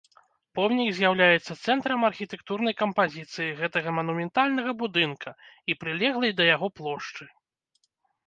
Помнік з'яўляецца цэнтрам архітэктурнай кампазіцыі гэтага манументальнага будынка і прылеглай да яго плошчы.